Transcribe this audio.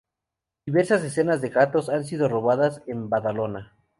Diversas escenas de gatos han sido rodadas en Badalona.